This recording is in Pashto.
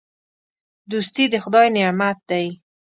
دوستي د خدای نعمت دی.